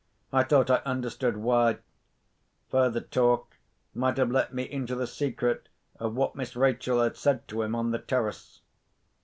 I thought I understood why. Further talk might have let me into the secret of what Miss Rachel had said to him on the terrace.